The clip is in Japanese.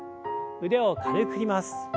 腕を軽く振ります。